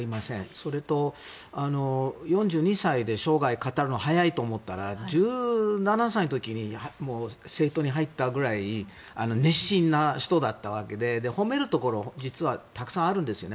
それと、４２歳で生涯を語るのは早いと思ったら１７歳の時に政党に入ったぐらい熱心な人だったわけで褒めるところ実はたくさんあるんですよね。